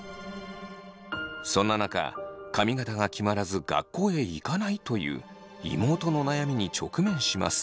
そんな中髪形が決まらず学校へ行かないという妹の悩みに直面します。